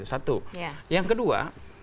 satu yang kedua